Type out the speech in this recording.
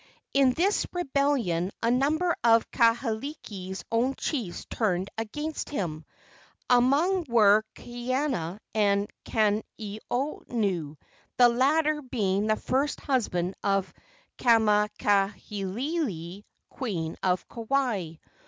In this rebellion a number of Kahekili's own chiefs turned against him, among whom were Kaiana and Kaneoneo, the latter being the first husband of Kamakahelei, queen of Kauai.